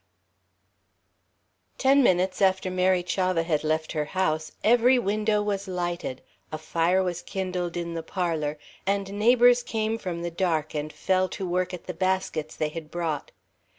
XII Ten minutes after Mary Chavah had left her house, every window was lighted, a fire was kindled in the parlour, and neighbours came from the dark and fell to work at the baskets they had brought.